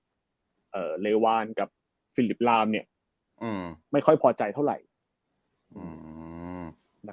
เลวานกับซิลิปลามเนี่ยอืมไม่ค่อยพอใจเท่าไหร่